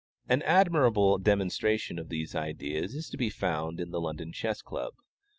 An admirable demonstration of these ideas is to be found in the London Chess Club.